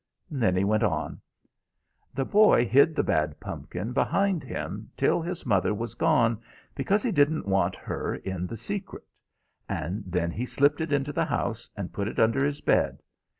Then he went on: "The boy hid the bad pumpkin behind him till his mother was gone, because he didn't want her in the secret; and then he slipped into the house, and put it under his bed.